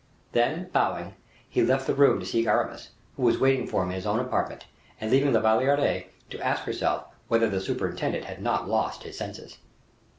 Then, bowing, he left the room to seek Aramis, who was waiting for him in his own apartment, and leaving La Valliere to ask herself whether the superintendent had not lost his senses.